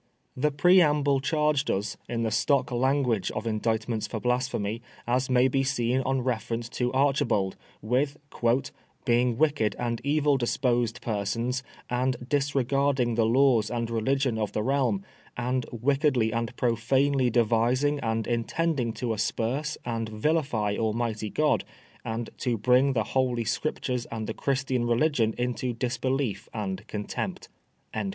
The preamble charged us, in the stock language of Indictments for Blasphemy, as may be seen on reference to Archibold, with " being wicked and evil disposed persons, and disregarding the laws and religion of the realm, and wickedly and profanely devising and intending to asperse and vilify Almighty God, and to bring the Holy Scriptures and the Chris tian Religion into disbelief and contempt."